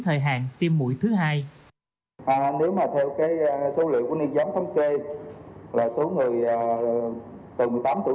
thời hạn tiêm mũi thứ hai nếu mà theo cái số liệu của ni giám thống kê là số người từ một mươi tám tuổi